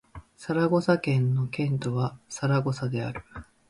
サラゴサ県の県都はサラゴサである